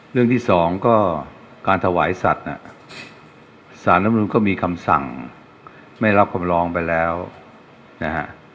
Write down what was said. เรื่องที่สองก็การถวายสัตว์น่ะสารรัฐมนุนก็มีคำสั่งไม่รับคำร้องไปแล้วนะฮะ